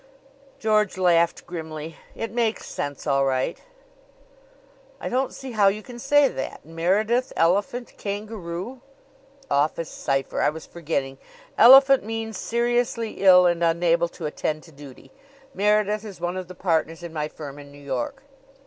George laughed grimly. "It makes sense all right." "I don't see how you can say that. 'Meredith elephant kangaroo ?'" "Office cipher; I was forgetting. 'Elephant' means 'Seriously ill and unable to attend to duty.' Meredith is one of the partners in my firm in New York."